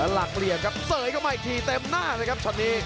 หลักเหลี่ยมครับเสยเข้ามาอีกทีเต็มหน้าเลยครับช็อตนี้